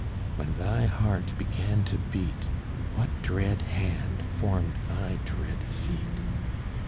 When thy heart began to beat, What dread hand formed thy dread feet?